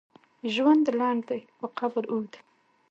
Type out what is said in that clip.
ژوند لنډ دی، خو قبر اوږد دی.